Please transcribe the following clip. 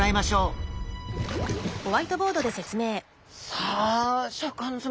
さあシャーク香音さま